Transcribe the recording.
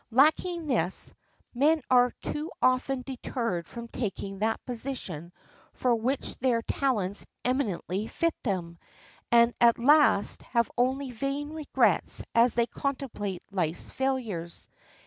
Lacking this, men are too often deterred from taking that position for which their talents eminently fit them, and at last have only vain regrets as they contemplate life's failures.